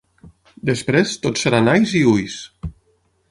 Després tot seran ais i uis.